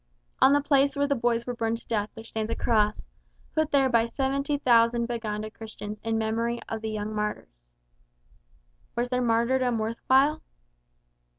On the place where the boys were burned to death there stands a Cross, put there by 70,000 Baganda Christians in memory of the young martyrs. Was their martyrdom worth while?